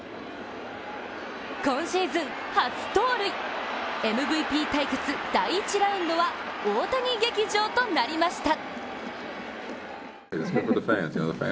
今シーズン初盗塁、ＭＶＰ対決第１ラウンドは大谷劇場となりました。